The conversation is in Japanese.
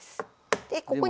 でここに。